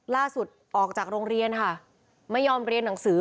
ล่าสุดออกจากโรงเรียนค่ะไม่ยอมเรียนหนังสือ